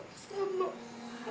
dina gak tau